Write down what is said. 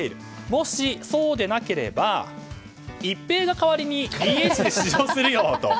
もしそうでなければイッペイが代わりにＤＨで出場するよ！と。